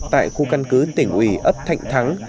tại khu căn cứ tỉnh ủy ấp thạnh thắng